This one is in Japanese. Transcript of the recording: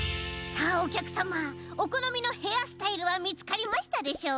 さあおきゃくさまおこのみのヘアスタイルはみつかりましたでしょうか？